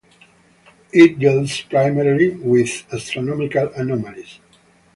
It deals primarily with astronomical anomalies.